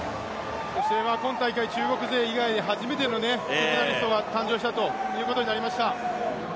今大会中国勢以外初めての金メダリストが誕生したことになりました。